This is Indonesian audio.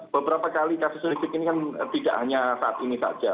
beberapa kali kasus lift ini kan tidak hanya saat ini saja